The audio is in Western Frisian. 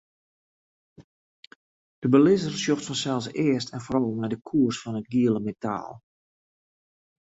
De belizzer sjocht fansels earst en foaral nei de koers fan it giele metaal.